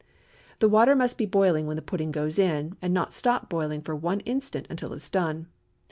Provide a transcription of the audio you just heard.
The water must be boiling when the pudding goes in, and not stop boiling for one instant until it is done.